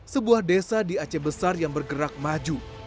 sebuah desa di aceh besar yang bergerak maju